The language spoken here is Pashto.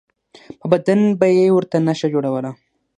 په بدن به یې ورته نښه جوړوله.